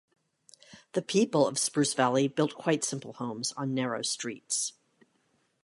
The people of Spruce Valley built quite simple homes on narrow streets.